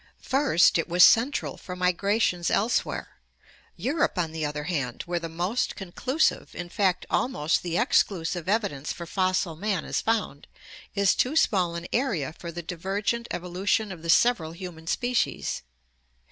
First, it was central for migrations elsewhere; Europe, on the other hand, where the most conclusive, in fact almost the exclusive evidence for fossil man is found, is too small an area for the divergent evolution of the several human species.